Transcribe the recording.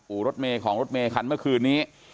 อู่รถเมฆของรถเมคันเมื่อคืนนี้